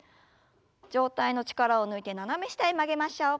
上体の力を抜いて斜め下へ曲げましょう。